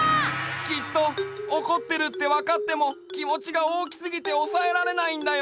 きっとおこってるってわかってもきもちがおおきすぎておさえられないんだよ！